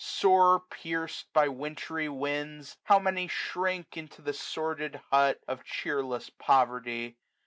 Sore pierc'd by wintry winds, How many shrink into the sordid hut Of cheerless poverty.